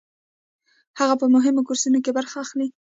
هغه په مهمو کورسونو کې برخه اخلي.